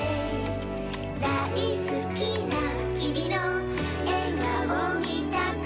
「だいすきなきみのえがおみたくて」